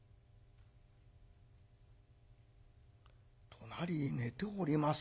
隣に寝ております